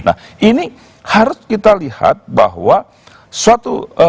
nah ini harus kita lihat bahwa suatu